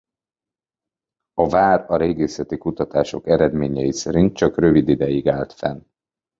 A vár a régészeti kutatások eredményei szerint csak rövid ideig állt fenn.